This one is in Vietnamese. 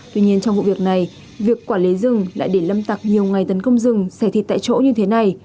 tuy nhiên trong vụ việc này việc quản lý rừng lại để lâm tặc nhiều ngày tấn công rừng xẻ thịt tại chỗ như thế này